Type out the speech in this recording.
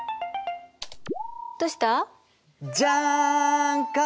どうした？じゃん！